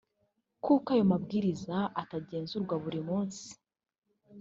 kuko ayo mabwiriza atagenzurwaga buri munsi